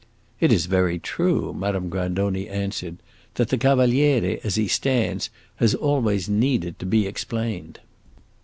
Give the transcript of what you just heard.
"It is very true," Madame Grandoni answered, "that the Cavaliere, as he stands, has always needed to be explained."